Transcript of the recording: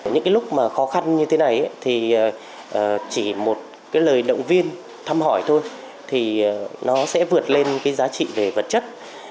những cái lúc mà khó khăn như thế này thì chỉ một cái lời động viên thăm hỏi thôi thì nó sẽ vượt lên cái giá trị về vật chất